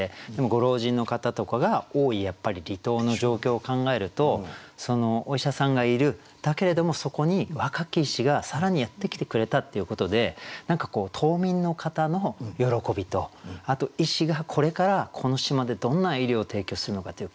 ご老人の方とかが多い離島の状況を考えるとお医者さんがいるだけれどもそこに若き医師が更にやって来てくれたっていうことで何かこう島民の方の喜びとあと医師がこれからこの島でどんな医療を提供するのかっていう希望と。